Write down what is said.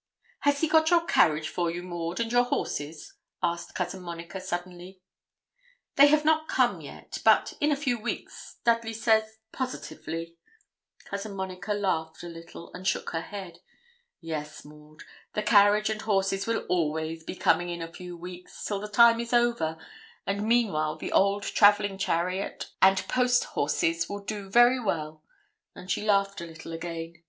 'Has he got your carriage for you, Maud, and your horses?' asked Cousin Monica, suddenly. 'They have not come yet, but in a few weeks, Dudley says, positively ' Cousin Monica laughed a little and shook her head. 'Yes, Maud, the carriage and horses will always be coming in a few weeks, till the time is over; and meanwhile the old travelling chariot and post horses will do very well;' and she laughed a little again.